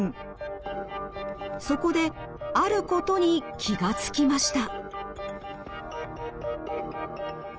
そこであることに気が付きました。